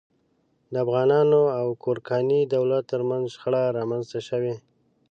د افغانانو او ګورکاني دولت تر منځ شخړې رامنځته شوې.